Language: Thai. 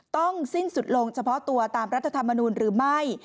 สิ้นสุดลงเฉพาะตัวตามรัฐธรรมนูลหรือไม่